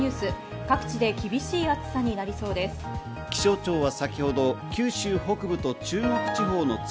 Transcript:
各地で厳しい暑さになりそうです。